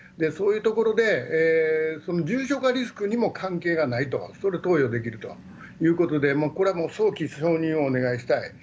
そういうところで、その重症化リスクにも関係がないと、それ、投与できるということで、これはもう早期承認をお願いしたい。